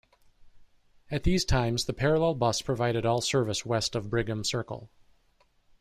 At these times, the parallel bus provides all service west of Brigham Circle.